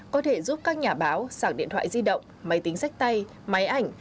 có thể giúp các nhà báo sảng điện thoại di động máy tính sách tay máy ảnh